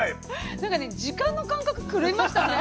なんかね時間の感覚狂いましたね。